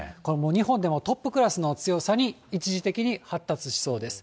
日本でもトップクラスの強さに一時的に発達しそうです。